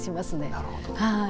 なるほど。